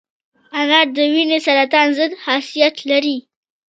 انار د وینې سرطان ضد خاصیت لري.